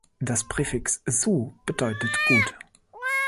Das Präfix "su-" bedeutet gut.